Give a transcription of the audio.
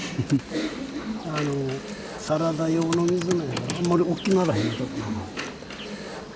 サラダ用の水菜やからあんまりおっきならへん。